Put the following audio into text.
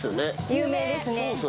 有名ですね